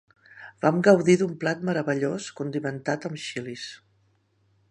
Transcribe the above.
Vam gaudir d'un plat meravellós condimentat amb xilis.